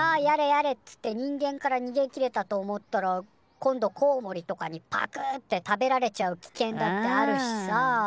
やれやれっつって人間からにげきれたと思ったら今度コウモリとかにパクって食べられちゃう危険だってあるしさ。